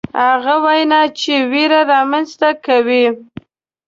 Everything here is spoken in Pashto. هغه وینا چې ویره رامنځته کوي.